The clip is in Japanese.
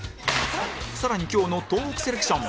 更に今日のトーークセレクション